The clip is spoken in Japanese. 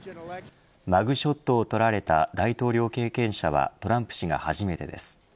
マグショットを撮られた大統領経験者はトランプ氏が初めてです。